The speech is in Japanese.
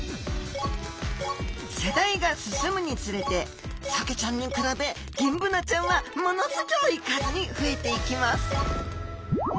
世代が進むにつれてサケちゃんに比べギンブナちゃんはものすギョい数に増えていきます！